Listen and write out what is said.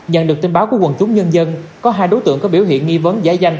nhận được tin báo của quần chúng nhân dân có hai đối tượng có biểu hiện nghi vấn giải danh